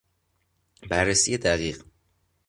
بررسی دقیق